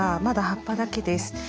まだ葉っぱだけです。